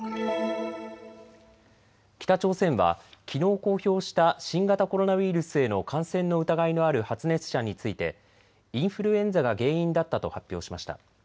北朝鮮はきのう公表した新型コロナウイルスへの感染の疑いのある発熱者についてインフルエンザが原因だったと発表しました。